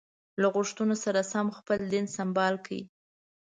له غوښتنو سره سم خپل دین سمبال کړي.